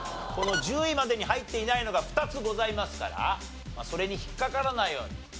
１０位までに入っていないのが２つございますからそれに引っ掛からないように。